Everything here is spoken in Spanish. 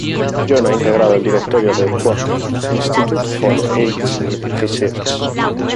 Jon ha integrado el directorio del Buck Institute For Age Research.